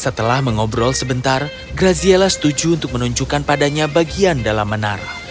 setelah mengobrol sebentar graziella setuju untuk menunjukkan padanya bagian dalam menara